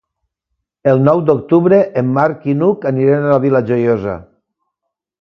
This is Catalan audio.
El nou d'octubre en Marc i n'Hug aniran a la Vila Joiosa.